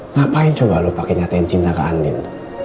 ngapain coba lo pakai nyatain cinta ke andin